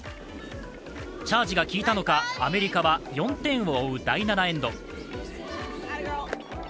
チャージが効いたのかアメリカは４点を追う第７エンド。